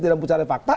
tidak mempunyai fakta